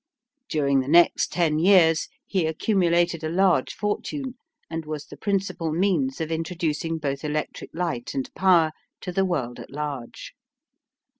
During the next ten years he accumulated a large fortune, and was the principal means of introducing both electric light and power to the world at large.